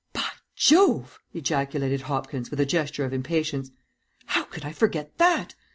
"By Jove!" ejaculated Hopkins, with a gesture of impatience. "How could I forget that?